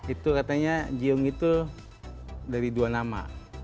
itu katanya jiung itu dari dua nama